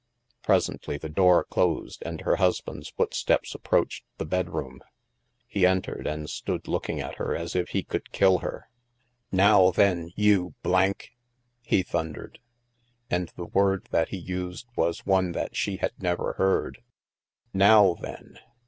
Presently the door closed, and her husband's foot steps approached the bedroom. He entered, and stood looking at her as if he could kill her. "Now then, you —^" he thundered (and the word that he used was one that she had never heard), " now then!